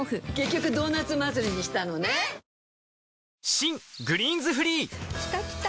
新「グリーンズフリー」きたきた！